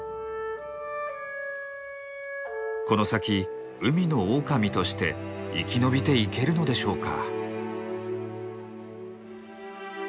この先海のオオカミとして生き延びていけるのでしょうか？